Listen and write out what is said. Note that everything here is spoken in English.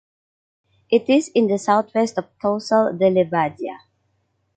It is in the southwest of Tossal de l’Abadia.